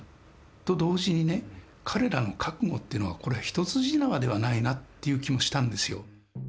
と同時にね彼らの覚悟っていうのはこれは一筋縄ではないなっていう気もしたんですよ。